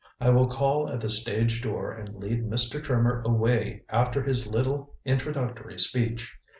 I will call at the stage door and lead Mr. Trimmer away after his little introductory speech.